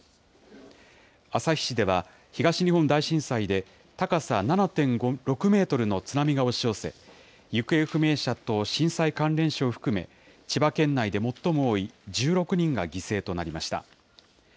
旭市では、東日本大震災で高さ７．６メートルの津波が押し寄せ、行方不明者と震災関連死を含め、千葉県内で最も多い１６人が犠牲となりました。